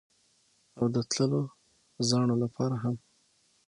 او د تللو زاڼو لپاره هم